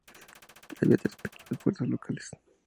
Había tres pequeñas fuerzas locales.